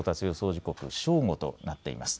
時刻、正午となっています。